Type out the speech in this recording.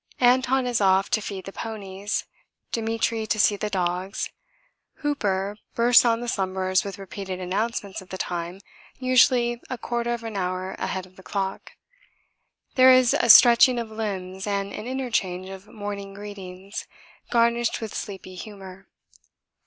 Anton is off to feed the ponies, Demetri to see the dogs; Hooper bursts on the slumberers with repeated announcements of the time, usually a quarter of an hour ahead of the clock. There is a stretching of limbs and an interchange of morning greetings, garnished with sleepy humour.